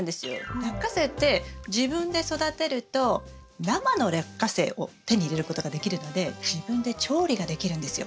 ラッカセイって自分で育てると生のラッカセイを手に入れることができるので自分で調理ができるんですよ。